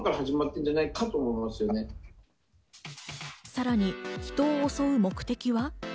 さらに人を襲う目的は？